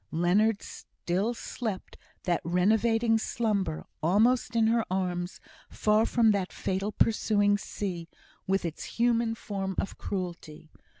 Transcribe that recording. Leonard still slept that renovating slumber, almost in her arms, far from that fatal pursuing sea, with its human form of cruelty.